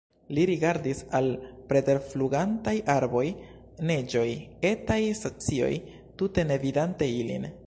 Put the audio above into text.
Li rigardis al preterflugantaj arboj, neĝoj, etaj stacioj, tute ne vidante ilin.